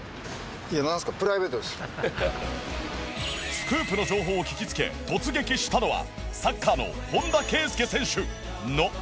スクープの情報を聞きつけ突撃したのはサッカーの本田圭佑選手のモノマネ